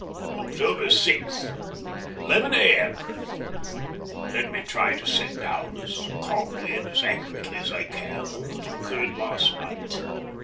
October 6, 11 A.M. Let me try to set down as calmly and as accurately as I can all that occurred last night.